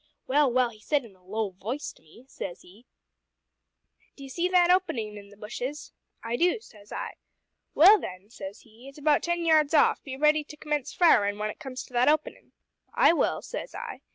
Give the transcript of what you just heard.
"Well, well; he said, in a low v'ice to me, says he, `d'ye see that openin' in the bushes?' `I do,' says I. `Well then,' says he, `it's about ten yards off; be ready to commence firin' when it comes to that openin'.' `I will,' says I.